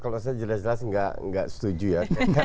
kalau saya jelas jelas nggak setuju ya